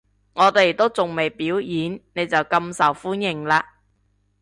我哋都仲未表演，你就咁受歡迎喇